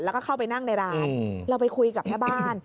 แล้วก็เข้าไปนั่งในร้านเราไปคุยกับแม่บ้าน